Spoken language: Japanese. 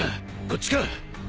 こっちか？